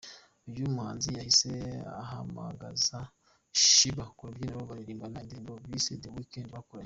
Uyu muhanzi yahise ahamagaza Sheebah ku rubyiniro baririmbana indirimbo bise "The Weekend" bakoranye.